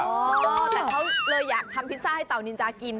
เออแต่เขาเลยอยากทำพิซซ่าให้เต่านินจากิน